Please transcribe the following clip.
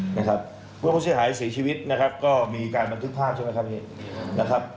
เพราะผู้เสียหายเสียชีวิตก็มีการบันทึกภาพใช่ไหมครับ